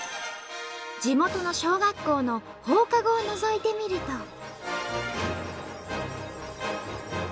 地元の小学校の放課後をのぞいてみると。